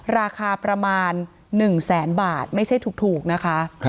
ราคาประมาณ๑แสนบาทไม่ใช่ถูกนะคะ